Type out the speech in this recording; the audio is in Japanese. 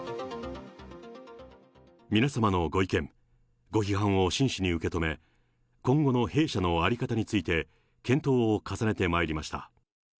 皆様のご意見、ご批判を真摯に受け止め、今後の弊社の在り方について、検討を重ねてまいりました。